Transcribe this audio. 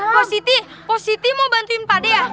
pos siti pos siti mau bantuin pak ade ya